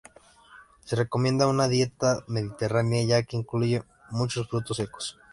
Se recomienda una dieta mediterránea, ya que incluye muchos frutos secos.